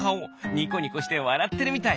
ニコニコしてわらってるみたい。